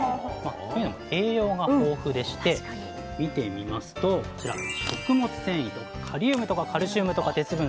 というのも栄養が豊富でして見てみますとこちら食物繊維とかカリウムとかカルシウムとか鉄分。